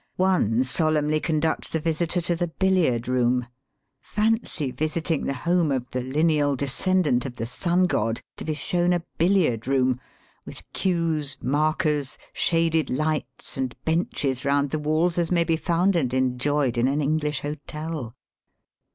One solemnly con ducts the visitor to. the billiard room. Fancy .visiting the home of the lineal descendant of Digitized by VjOOQIC 312 EAST BY WEST. the Sun god to be shown a biUiard room, with cues, markers, shaded lights, and benches round the walls as may be found and enjoyed in an English hotel